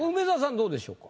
どうでしょうか？